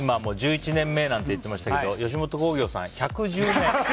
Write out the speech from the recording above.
１１年目なんて言ってましたけど吉本興業さん、１１０年。